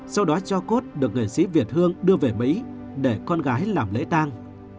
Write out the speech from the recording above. sau đó cho cốt được nghệ sĩ việt hương đưa về mỹ để con gái làm lễ tang